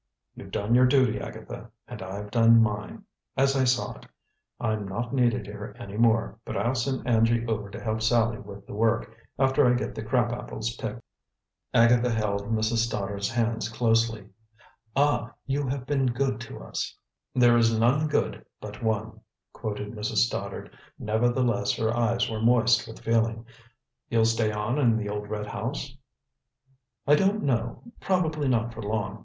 "You've done your duty, Agatha, and I've done mine, as I saw it. I'm not needed here any more, but I'll send Angie over to help Sallie with the work, after I get the crab apples picked." Agatha held Mrs. Stoddard's hands closely. "Ah, you have been good to us!" "There is none good but One," quoted Mrs. Stoddard; nevertheless her eyes were moist with feeling. "You'll stay on in the old red house?" "I don't know; probably not for long.